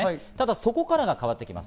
そこから変わってきます。